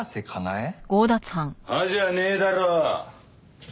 じゃねえだろ！